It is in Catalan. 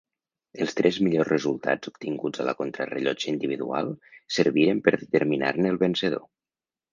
Els tres millors resultats obtinguts a la contrarellotge individual serviren per determinar-ne el vencedor.